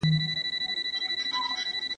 ¬په دوبي چيري وې، چي په ژمي راغلې.